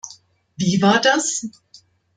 Wie war das?